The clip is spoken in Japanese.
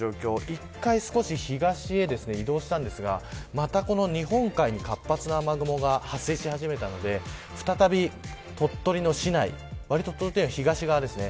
１回、少し東へ移動したんですがまたこの日本海に活発な雨雲が発生し始めたので再び、鳥取の市内鳥取の東側ですね。